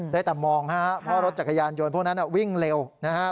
ได้แต่มองฮะเพราะรถจักรยานยนต์พวกนั้นวิ่งเร็วนะฮะ